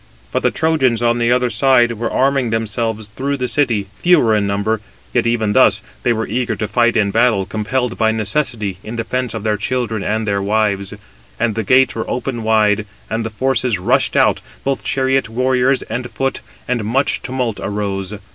But the Trojans, on the other side, were arming themselves through the city, fewer in number; yet even thus, they were eager to fight in battle, compelled by necessity, in defence of their children and their wives. And the gates were opened wide, and the forces rushed out, both chariot warriors and foot, and much tumult arose.